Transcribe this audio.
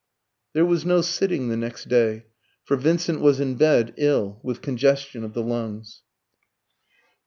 There was no sitting the next day; for Vincent was in bed, ill, with congestion of the lungs.